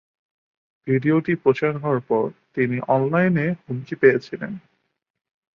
ভিডিওটি প্রচার হওয়ার পর তিনি অনলাইনে হুমকি পেয়েছিলেন।